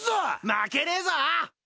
負けねえぞ！！